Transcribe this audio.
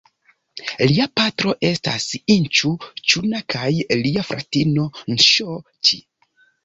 Lia patro estas Inĉu-ĉuna kaj lia fratino Nŝo-ĉi.